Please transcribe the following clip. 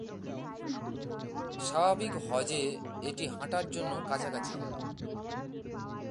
স্বাভাবিক হজ্জে, এটি হাঁটার জন্য কাছাকাছি হবে।